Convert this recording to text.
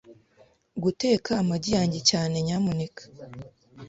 Guteka amagi yanjye cyane, nyamuneka.